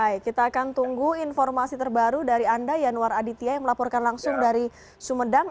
baik kita akan tunggu informasi terbaru dari anda yanwar aditya yang melaporkan langsung dari sumedang